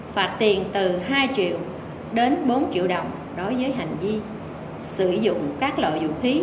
phạt tiền từ hai triệu đến bốn triệu đồng đối với hành vi sử dụng các loại vũ khí